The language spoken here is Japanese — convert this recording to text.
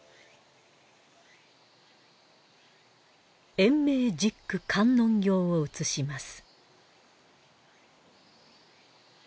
延命十句観音経を写します。